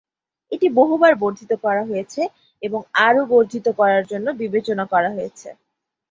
এটি বহুবার বর্ধিত করা হয়েছে এবং আরও বর্ধিত করার জন্য বিবেচনা করা হয়েছে।